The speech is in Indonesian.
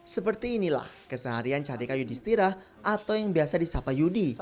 seperti inilah keseharian cadika yudi stira atau yang biasa disapa yudi